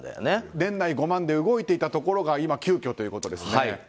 年内５万で動いていたところが急きょということですね。